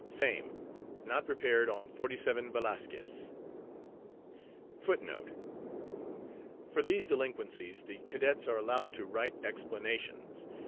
SAME. Not prepared on 47 Velasquez.* *For these delinquencies the cadets are allowed to write explanations.